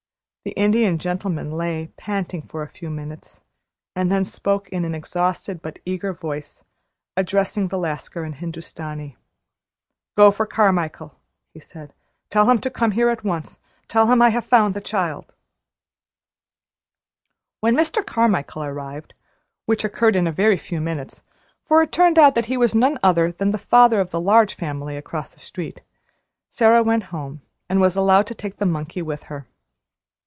The Indian Gentleman lay panting for a few minutes, and then he spoke in an exhausted but eager voice, addressing the Lascar in Hindustani: "Go for Carmichael," he said. "Tell him to come here at once. Tell him I have found the child!" When Mr. Carmichael arrived (which occurred in a very few minutes, for it turned out that he was no other than the father of the Large Family across the street), Sara went home, and was allowed to take the monkey with her.